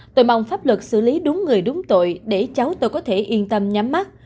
tôi mong pháp luật xử lý đúng người đúng tội để cháu tôi có thể yên tâm nhắm mắt